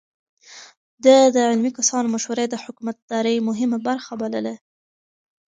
ده د علمي کسانو مشورې د حکومتدارۍ مهمه برخه بلله.